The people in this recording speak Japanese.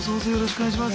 お願いします。